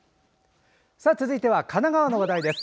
続いては神奈川の話題です。